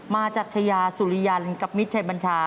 มาจากชยาสุรียัลกับมิโชยบรรชา